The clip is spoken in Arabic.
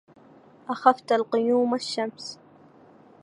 أخفت الغيوم الشمس.